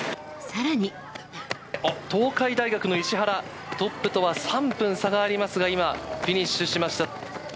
さらに。東海大学の石原、トップとは３分差がありますが、今、フィニッシュしました。